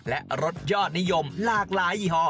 และรสยอดนิยมหลากหลายยี่ห้อ